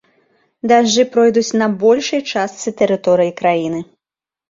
Дажджы пройдуць на большай частцы тэрыторыі краіны.